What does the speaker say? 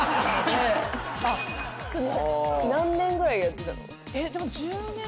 何年ぐらいやってたの？